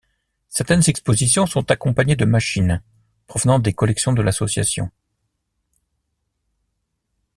Certaines expositions sont accompagnées de machines provenant des collections de l'association.